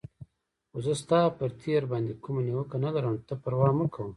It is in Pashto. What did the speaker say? خو زه ستا پر تېر باندې کومه نیوکه نه لرم، ته پروا مه کوه.